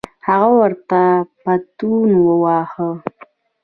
هغه ورته پتون وواهه.